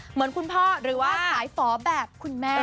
เหมือนคุณพ่อหรือว่าสายฝอแบบคุณแม่